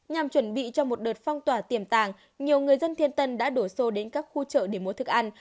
nhằm chuẩn bị cho một đợt phong tỏa tiềm tàng nhiều người dân thiên tân đã đổ xô đến các khu chợ để mua thức ăn